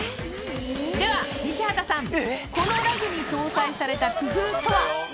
では西畑さん、このラグに搭載された工夫とは？